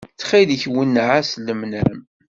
Ttxil-k wenneɛ-as lemnam.